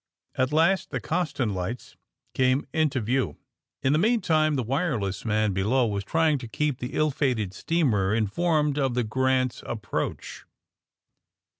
At last the Coston lights came into view. In the meantime the wireless man below was trying to keep the ill fated steamer informed of the ^'Grant's" approach.